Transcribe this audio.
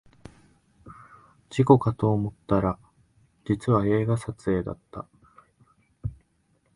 事故かと思ったら実は映画撮影だった